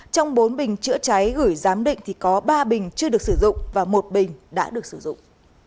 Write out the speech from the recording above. trong bốn bình chữa cháy gửi giám định thì có ba bình chưa được sử dụng và một bình đã được sử dụng